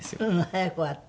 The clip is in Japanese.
早く終わった。